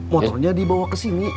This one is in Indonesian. motornya dibawa kesini